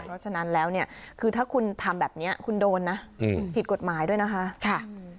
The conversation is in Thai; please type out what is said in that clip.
เพราะฉะนั้นแล้วเนี่ยคือถ้าคุณทำแบบนี้คุณโดนนะผิดกฎหมายด้วยนะคะ